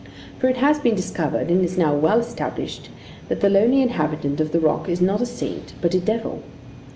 For it has been discovered, and is now well established, that the lonely inhabitant of the rock is not a saint, but a devil.